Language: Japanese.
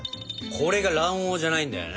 これが卵黄じゃないんだよね。